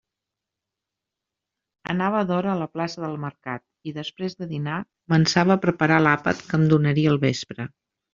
Anava d'hora a la plaça del mercat, i després de dinar començava a preparar l'àpat que em donaria al vespre.